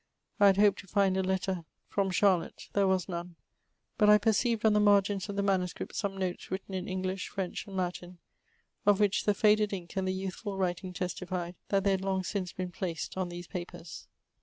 I had hoped to find a letter from VOL. I. 2 o 396 MEMOIRS OF Charlotte ; there was none ; but I perceived on the marg^ins of the manuscript some notes tmtten in English, French, and Latin, of which the faded ink and the youth^ writing testified that they had long since been placed on these papers.